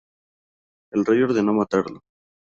El rey ordenó matarlo.